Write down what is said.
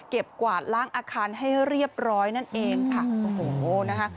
กวาดล้างอาคารให้เรียบร้อยนั่นเองค่ะโอ้โหนะคะ